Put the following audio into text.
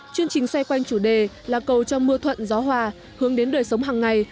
chương trình xoay quanh chủ đề là cầu cho mưa thuận gió hòa hướng đến đời sống hàng ngày